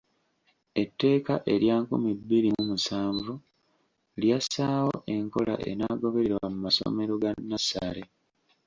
Etteeka erya nkumi bbiri mu musanvu lyassaawo enkola enaagobererwa mu masomero ga nnassale.